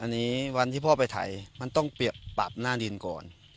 อันนี้วันที่พ่อไปไถมันต้องปรับหน้าดินก่อน